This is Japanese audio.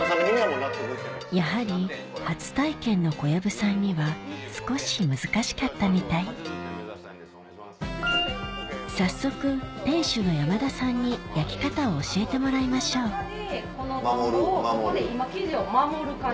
やはり初体験の小籔さんには少し難しかったみたい早速店主の山田さんにここで今生地を守る感じ。